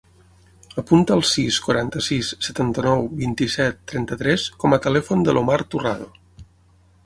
Apunta el sis, quaranta-sis, setanta-nou, vint-i-set, trenta-tres com a telèfon de l'Omar Turrado.